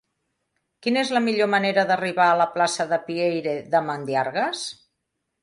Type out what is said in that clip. Quina és la millor manera d'arribar a la plaça de Pieyre de Mandiargues?